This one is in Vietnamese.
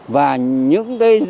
và những cái